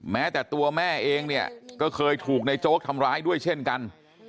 แม้แต่ตัวแม่เองเนี่ยก็เคยถูกในโจ๊กทำร้ายด้วยเช่นกัน